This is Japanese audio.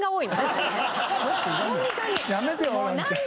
やめてよホランちゃん。